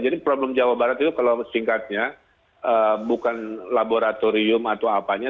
jadi problem jawa barat itu kalau singkatnya bukan laboratorium atau apanya